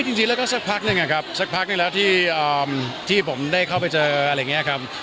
จริงแล้วก็สักพักหนึ่งอะครับสักพักหนึ่งแล้วที่ผมได้เข้าไปเจออะไรอย่างนี้ครับ